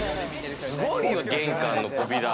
すごいよ、玄関の扉。